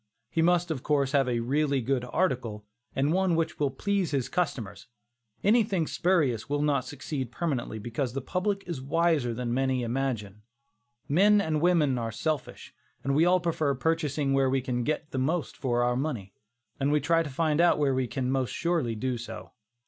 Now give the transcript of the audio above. He must, of course, have a really good article, and one which will please his customers; anything spurious will not succeed permanently, because the public is wiser than many imagine. Men and women are selfish, and we all prefer purchasing where we can get the most for our money; and we try to find out where we can most surely do so.